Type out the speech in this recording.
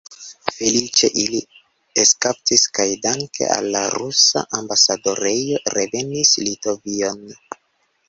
Feliĉe ili eskapis kaj danke al la rusa ambasadorejo revenis Litovion.